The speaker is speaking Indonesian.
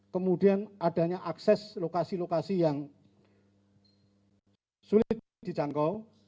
kemudian adanya akses lokasi lokasi yang sulit dijangkau